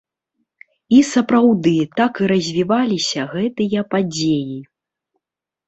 І сапраўды, так і развіваліся гэтыя падзеі.